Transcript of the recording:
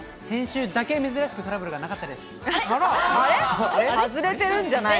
先週だけ珍しくトラブルがなかったです。